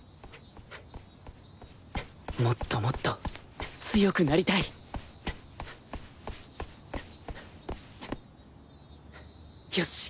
もっともっと強くなりたいよし！